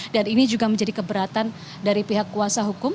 dan ini juga menjadi keberatan dari pihak kuasa hukum